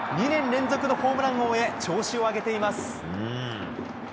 ２年連続のホームラン王へ調子を上げています。